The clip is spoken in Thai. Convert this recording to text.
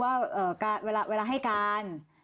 เวลาให้การ